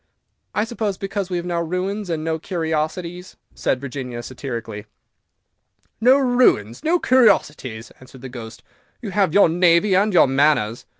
"I suppose because we have no ruins and no curiosities," said Virginia, satirically. "No ruins! no curiosities!" answered the Ghost; "you have your navy and your manners."